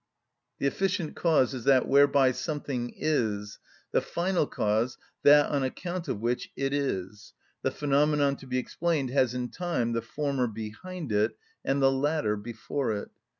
anim._, i. 1. The efficient cause is that whereby something is, the final cause that on account of which it is; the phenomenon to be explained has, in time, the former behind it, and the latter before it.